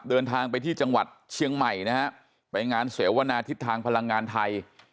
เดินทางไปที่จังหวัดเชียงใหม่นะฮะไปงานเสวนาทิศทางพลังงานไทย